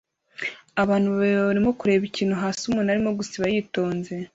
Abantu babiri barimo kureba ikintu hasi umuntu arimo gusiba yitonze